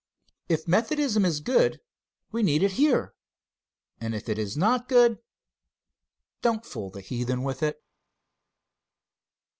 If Methodism is good we need it here, and if it is not good, do not fool the heathen with it.